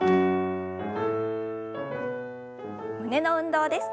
胸の運動です。